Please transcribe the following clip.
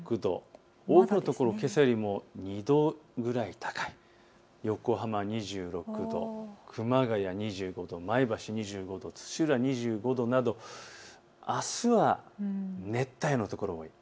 多くの所、けさよりも２度くらい高い、横浜２６度、熊谷２５度、前橋２５度、土浦２５度などあすは熱帯夜の所が多い。